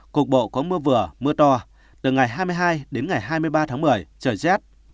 cục bộ có mưa vừa mưa to từ ngày hai mươi hai đến ngày hai mươi ba tháng một mươi trời rét